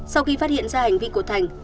sau khi phát hiện ra hành vi của thành